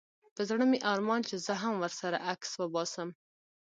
په زړه مي ارمان چي زه هم ورسره عکس وباسم